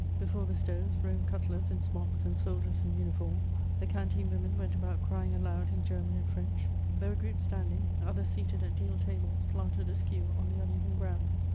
Before the stoves roamed cutlers in smocks and soldiers in uniform. The canteen women went about crying aloud in German and French. There were groups standing, others seated at deal tables planted askew on the uneven ground.